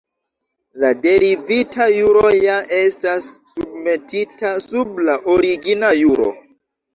La derivita juro ja estas submetita sub la origina juro.